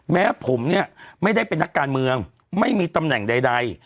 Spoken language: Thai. แม้ผมเนี่ยไม่ได้เป็นนักการเมืองไม่มีตำแหน่งใด